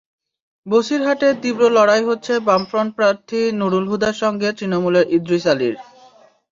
বসিরহাটে তীব্র লড়াই হচ্ছে বামফ্রন্ট প্রার্থী নুরুল হুদার সঙ্গে তৃণমূলের ইদ্রিস আলির।